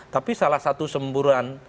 tapi salah satu semburan